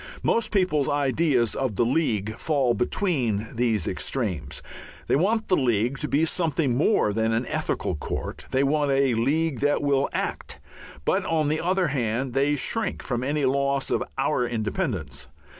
Most people's ideas of the League fall between these extremes. They want the League to be something more than an ethical court, they want a League that will act, but on the other hand they shrink from any loss of "our independence."